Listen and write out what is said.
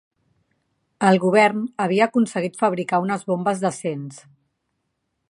El Govern havia aconseguit fabricar unes bombes decents